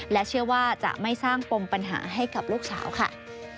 และเชื่อว่าจะไม่สร้างปมปัญหาให้กับลูกสาวค่ะ